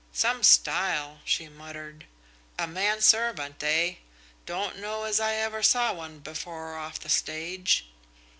"Some style," she muttered. "A manservant, eh? Don't know as I ever saw one before off the stage."